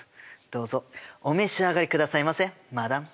どうぞお召し上がりくださいませマダム。